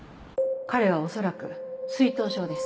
彼は恐らく水頭症です